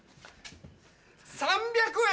３００円！